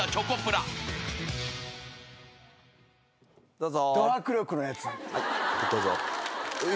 どうぞ。